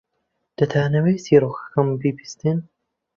دەتانەوێت چیرۆکەکەم ببیستن؟